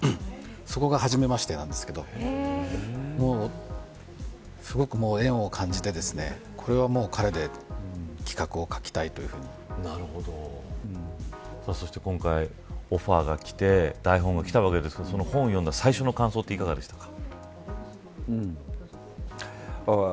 そこが初めまして、なんですけどすごく縁を感じてこれは、もう彼でそして今回オファーが来て台本が来たわけですがその本を読んだ最初の感想はいかがでしたか。